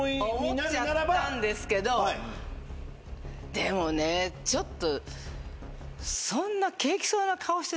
でもねちょっと。